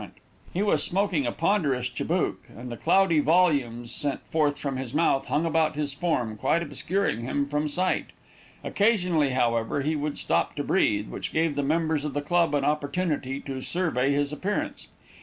He was smoking a ponderous chibouk, and the cloudy volumes sent forth from his mouth hung about his form, quite obscuring him from sight. Occasionally, however, he would stop to breathe, which gave the members of the club an opportunity to survey his appearance.